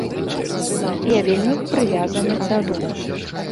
Я вельмі прывязаны да дому.